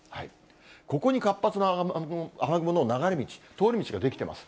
ここに活発な雨雲の流れ道、通り道が出来ています。